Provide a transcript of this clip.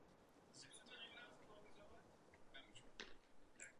Mezi oběma budovami je dosud patrný průchod.